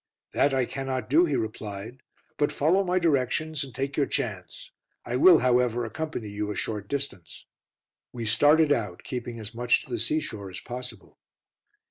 "That I cannot do," he replied, "but follow my directions, and take your chance. I will, however, accompany you a short distance." We started out, keeping as much to the seashore as possible.